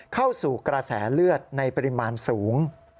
เข้าสู่กระแสเลือดในปริมาณสูง